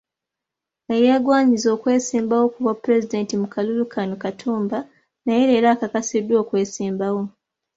Eyeegwanyiza okwesimbawo ku bwa pulezidenti mu kalulu kano, Katumba, naye leero akakasiddwa okwesimbawo.